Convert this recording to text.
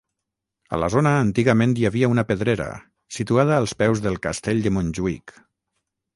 A la zona antigament hi havia una pedrera, situada als peus del Castell de Montjuïc.